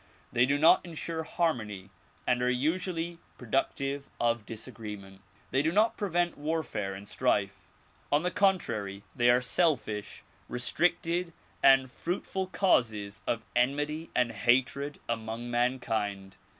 They do not insure harmony and are usually produc tive of disagreement. They do not prevent warfare and strife ; on the contrary they are selfish, restricted and fruitful causes of en mity and hatred among mankind.